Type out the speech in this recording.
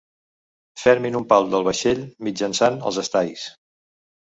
Fermin un pal del vaixell mitjançant els estais.